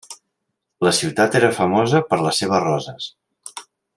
La ciutat era famosa per les seves roses.